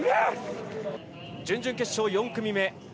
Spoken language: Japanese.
準々決勝、４組目。